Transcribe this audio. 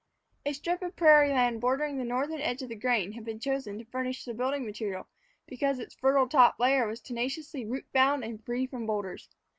A strip of prairie land bordering the northern edge of the grain had been chosen to furnish the building material because its fertile top layer was tenaciously root bound and free from boulders.